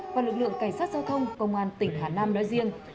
và lực lượng cảnh sát giao thông công an tỉnh hà nam nói riêng